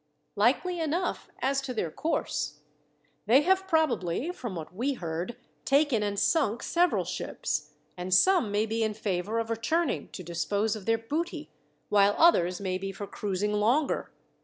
"Likely enough, as to their course. They have probably, from what we heard, taken and sunk several ships, and some may be in favour of returning to dispose of their booty, while others may be for cruising longer.